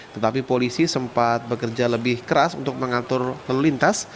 tetapi polisi sempat bekerja lebih keras untuk mengatur lalu lintas